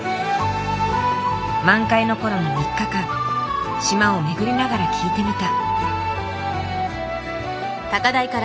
満開のころの３日間島を巡りながら聞いてみた。